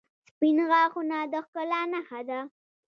• سپین غاښونه د ښکلا نښه ده.